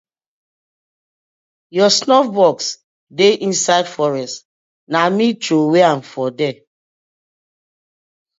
Yur snuff bosx dey inside forest, na me trow am for there.